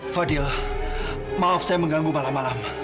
fadil maaf saya mengganggu malam malam